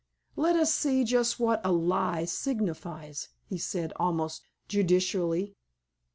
"Let us see just what 'a lie' signifies," he said, almost judicially.